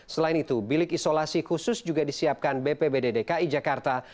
selain itu bilik isolasi khusus juga disiapkan bpbd dki jakarta